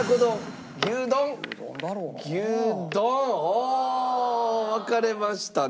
おお！分かれましたね。